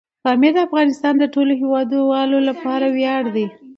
پامیر د افغانستان د ټولو هیوادوالو لپاره ویاړ دی.